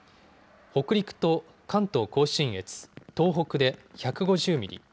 北陸と関東甲信越東北で１５０ミリ